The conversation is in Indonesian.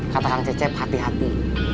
kata kang cecep hati hati